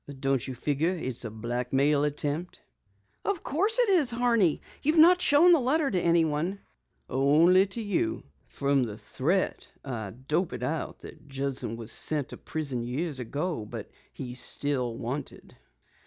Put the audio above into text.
"Don't you figure it's a blackmail attempt?" "Of course it is, Horney. You've not shown the letter to anyone?" "Only to you. From the threat I dope it out that Judson was sent to prison years ago, and he's still wanted."